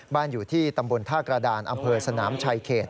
อยู่ที่ตำบลท่ากระดานอำเภอสนามชายเขต